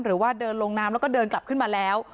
หรือว่าเดินลงน้ำแล้วก็เดินกลับขึ้นมาแล้ว